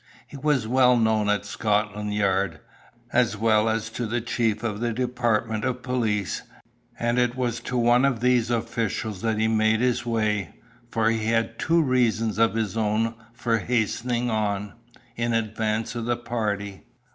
He was well known at Scotland Yard, as well as to the chief of the department of police, and it was to one of these officials that he made his way, for he had two reasons of his own for hastening on, in advance of the party.